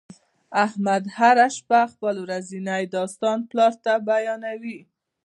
احمد هر شپه خپل ورځنی داستان پلار ته بیانوي.